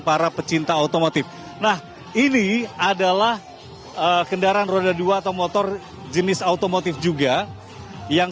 para pecinta otomotif nah ini adalah kendaraan roda dua atau motor jenis otomotif juga yang